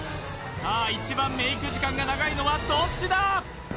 さあ一番メイク時間が長いのはどっちだ！？